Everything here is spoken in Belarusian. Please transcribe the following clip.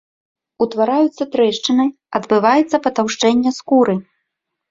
Утвараюцца трэшчыны, адбываецца патаўшчэнне скуры.